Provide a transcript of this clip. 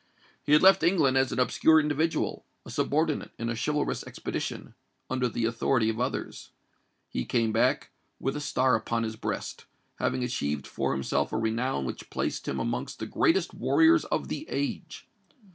He had left England as an obscure individual—a subordinate in a chivalrous expedition—under the authority of others:—he came back with a star upon his breast—having achieved for himself a renown which placed him amongst the greatest warriors of the age!